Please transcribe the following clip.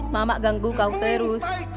mamak ganggu kau terus